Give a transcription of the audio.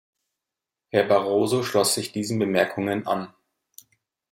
Herr Barroso schloss sich diesen Bemerkungen an.